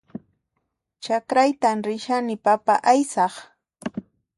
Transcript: Chakraytan rishani papa aysaq